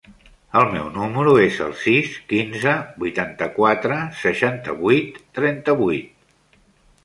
El meu número es el sis, quinze, vuitanta-quatre, seixanta-vuit, trenta-vuit.